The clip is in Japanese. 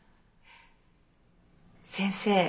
先生